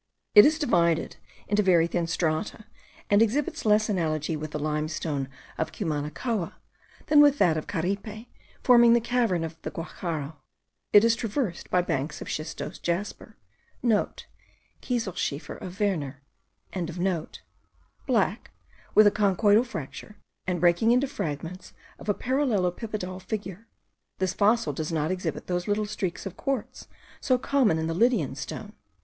It is divided into very thin strata, and exhibits less analogy with the limestone of Cumanacoa, than with that of Caripe, forming the cavern of the Guacharo. It is traversed by banks of schistose jasper,* (Kieselschiefer of Werner. )* black, with a conchoidal fracture, and breaking into fragments of a parallelopipedal figure. This fossil does not exhibit those little streaks of quartz so common in the Lydian stone.